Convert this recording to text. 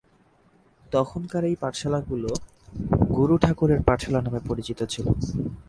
তখনকার এই পাঠশালা গুলো গুরু ঠাকুরের পাঠশালা নামে পরিচিত ছিল।